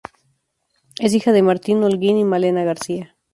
Es hija de Martín Holguín y Malena García.